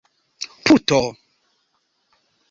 puto